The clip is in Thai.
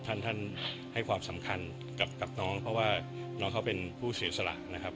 ท่านท่านให้ความสำคัญกับน้องเพราะว่าน้องเขาเป็นผู้เสียสละนะครับ